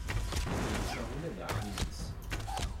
Yečča ula d aɛwin-is.